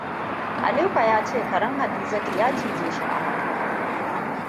Aliko ya ce karen Hadizatu ya cije shi a hannu.